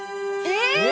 えっ？